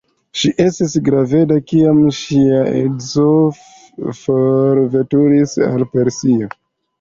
Ŝi estis graveda, kiam ŝia edzo forveturis al Persio.